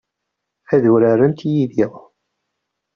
Ad urarent yid-i?